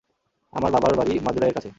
আমার বাবার বাড়ি মাদুরাইয়ের কাছে।